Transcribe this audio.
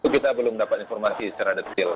kita belum dapat informasi secara detail